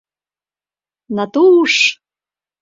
Натуш!..